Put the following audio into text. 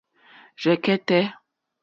Rzɛ̀kɛ́tɛ́.